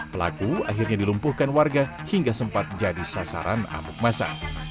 pelaku akhirnya dilumpuhkan warga hingga sempat jadi sasaran amuk masa